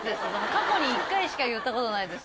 過去に一回しか言ったことないです。